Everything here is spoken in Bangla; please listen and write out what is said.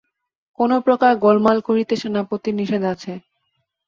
কোনোপ্রকার গোলমাল করিতে সেনাপতির নিষেধ আছে।